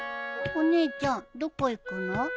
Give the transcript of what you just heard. お姉ちゃんどこ行くの？